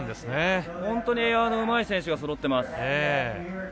本当にエアのうまい選手がそろっています。